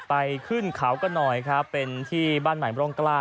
ไปขึ้นเขากะหน่อยเป็นที่บ้านไหมบร้องกล้า